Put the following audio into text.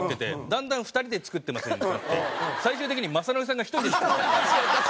だんだん「２人で作ってます」になって最終的に「雅紀さんが１人で作ってます」。